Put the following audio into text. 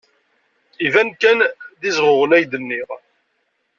Iban kan d izɣuɣen, ay d-nniɣ.